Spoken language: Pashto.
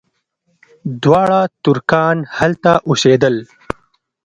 دواړه ترکان هلته اوسېدل.